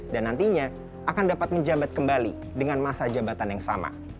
dan nantinya akan dapat menjabat kembali dengan masa jabatan yang sama